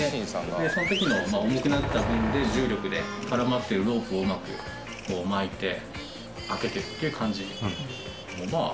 その時の重くなった分で重力で絡まってるロープをうまく巻いて開けてって感じ。